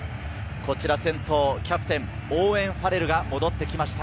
こちら先頭キャプテン、オーウェン・ファレルが戻ってきました。